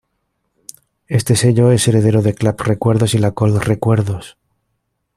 Este sello es heredero de Clap Recuerdos y La Col Recuerdos.